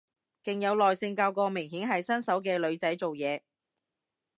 勁有耐性教個明顯係新手嘅女仔做嘢